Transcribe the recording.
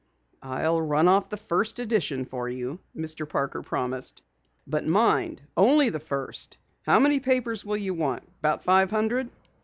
"I'll run off the first edition for you," Mr. Parker promised. "But mind, only the first. How many papers will you want? About five hundred?"